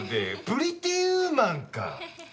『プリティ・ウーマン』か！